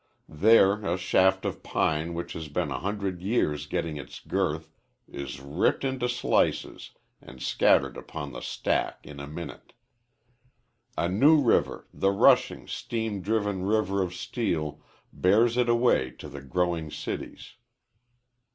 There a shaft of pine which has been a hundred years getting its girth is ripped into slices and scattered upon the stack in a minute. A new river, the rushing, steam driven river of steel, bears it away to the growing cities.